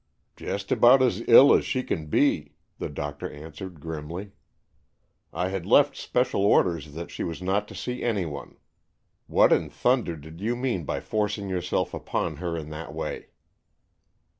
"Just about as ill as she can be," the doctor answered grimly. "I had left special orders that she was not to see anyone. What in thunder did you mean by forcing yourself upon her in that way?"